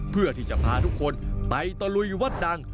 เพื่อที่จะพาทุกคนไปตะลุยวัดดัง